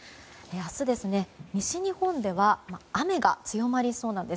明日、西日本では雨が強まりそうなんです。